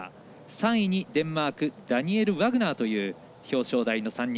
３位にデンマークダニエル・ワグナーという表彰台の３人。